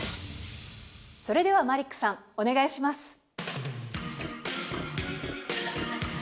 それではマリックさんお願いします。